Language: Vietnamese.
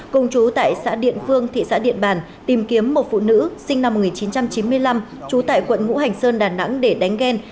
cùng chú tại xã điện phương thị xã điện bàn tìm kiếm một phụ nữ sinh năm một nghìn chín trăm chín mươi năm trú tại quận ngũ hành sơn đà nẵng để đánh ghen